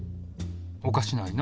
おかしないな。